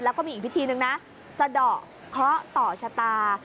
แล้วก็มีอีกพิธีนึงนะสะดอกเคราะห์ต่อชะตา